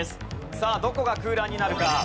さあどこが空欄になるか？